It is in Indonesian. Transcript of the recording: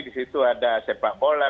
di situ ada sepak bola